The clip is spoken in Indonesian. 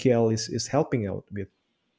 sama dengan ltkl yang membantu